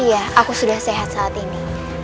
iya aku sudah sehat saat ini